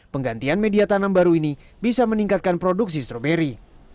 penggantian media tanam baru ini bisa meningkatkan produksi stroberi